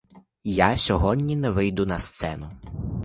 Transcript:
Я сьогодні не вийду на сцену.